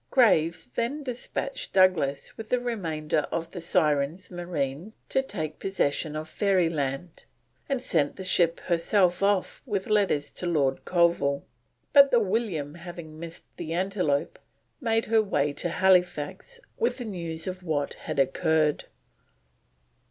Graves then despatched Douglas with the remainder of the Syren's marines to take possession of Ferryland, and sent the ship herself off with letters to Lord Colville, but the William having missed the Antelope, made her way to Halifax with the news of what had occurred.